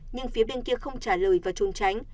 nhưng phía bên kia không trả lời và trôn tránh